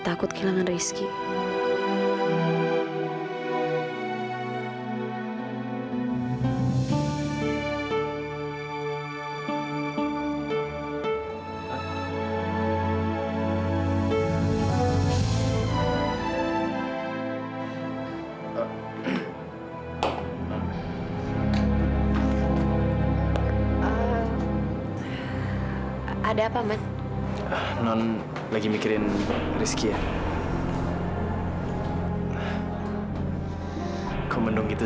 saya masih cuma rintikce bisa dan orang lain juga